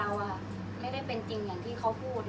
อันไหนที่มันไม่จริงแล้วอาจารย์อยากพูด